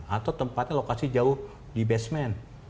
atau tempatnya lokasi jauh di basement